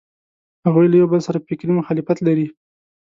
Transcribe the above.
هغوی له یوبل سره فکري مخالفت لري.